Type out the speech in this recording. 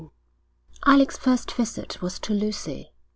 XIII Alec's first visit was to Lucy.